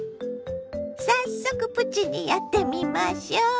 早速プチにやってみましょ。